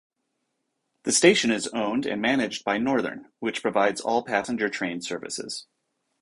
The station is owned and managed by Northern, which provides all passenger train services.